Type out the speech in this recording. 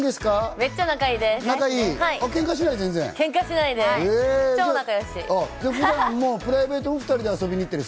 めっちゃ仲いいんです。